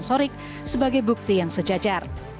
sorik sebagai bukti yang sejajar